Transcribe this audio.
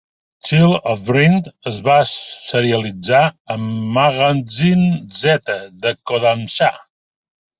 "Child of Dreams" es va serialitzar a "Magazine Z" de Kodansha.